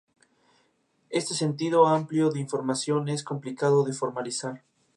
Este sentido amplio de información es complicado de formalizar.